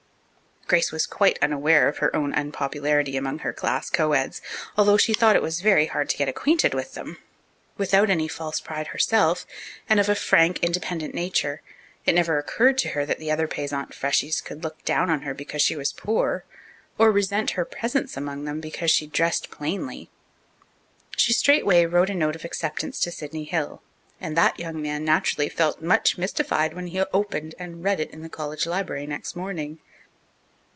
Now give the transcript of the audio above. Grace was quite unaware of her own unpopularity among her class co eds, although she thought it was very hard to get acquainted with them. Without any false pride herself, and of a frank, independent nature, it never occurred to her that the other Payzant freshies could look down on her because she was poor, or resent her presence among them because she dressed plainly. She straightway wrote a note of acceptance to Sidney Hill, and that young man naturally felt much mystified when he opened and read it in the college library next morning.